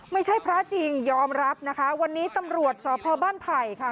ไม่ใช่พระจริงยอมรับนะคะวันนี้ตำรวจสพบ้านไผ่ค่ะ